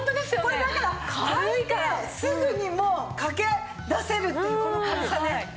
これだから履いてすぐにもう駆け出せるっていうこの軽さね。